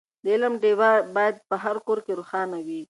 د علم ډېوه باید په هر کور کې روښانه وي.